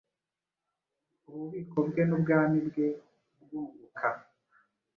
Ububiko bwe nubwami bwe bwunguka